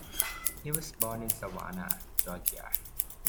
He was born in Savannah, Georgia.